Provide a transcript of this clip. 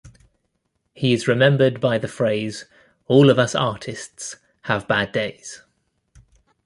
He is remembered by the phrase, all of us artists have bad days.